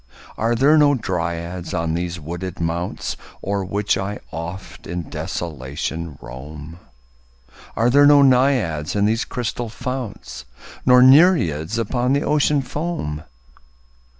Are there no Dryads on these wooded mounts O'er which I oft in desolation roam? Are there no Naiads in these crystal founts? Nor Nereids upon the Ocean foam?